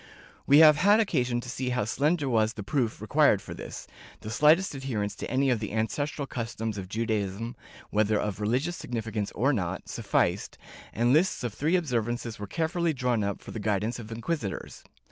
^ We have had occasion to see how slender was the proof required for this — the slightest adherence to any of the ancestral customs of Judaism, whether of religious significance or not, sufficed, and lists of these observances were carefully drawn up for the guidance of inquisitors.